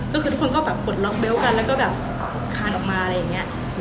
ทุกคนก็ปลดล็อกเบลท์กันแล้วก็คานออกมาอะไรอย่างนี้